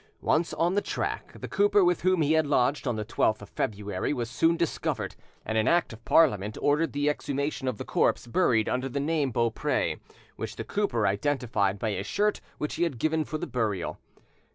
Once on the track, the cooper with whom he had lodged on the 12th of February was soon discovered, and an Act of Parliament ordered the exhumation of the corpse buried under the name of Beaupre, which the cooper identified by a shirt which he had given for the burial.